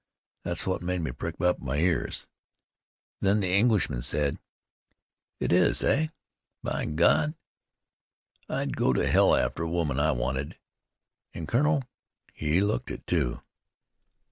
That's what made me prick up my ears. Then the Englishman said: 'It is, eh? By God! I'd go to hell after a woman I wanted.' An' Colonel, he looked it, too."